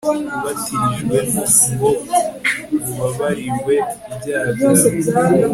ubatirijwemo ngo ubabarirwe ibyaha byawe